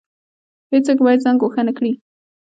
هیڅوک باید ځان ګوښه نکړي